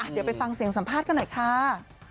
เดี๋ยวไปฟังเสียงสัมภาษณ์กันหน่อยค่ะ